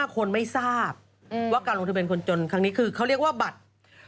คนไม่ทราบว่าการลงทะเบียนคนจนครั้งนี้คือเขาเรียกว่าบัตร